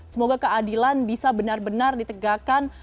semoga keadilan bisa benar benar ditegakkan